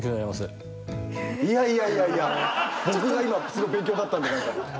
いやいやいやいや僕が今すごい勉強になったんで。